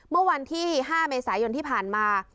เมื่อวันที่๕เมษายนที่ผ่านมา